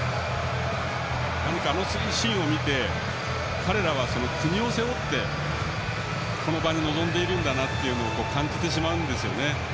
何か、あのシーンを見て彼らは国を背負ってこの場に臨んでいると感じてしまうんですね。